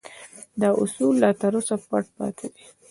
دا اصول لا تر اوسه پټ پاتې دي